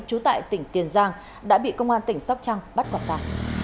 chú tại tỉnh tiền giang đã bị công an tỉnh sóc trăng bắt quạt tà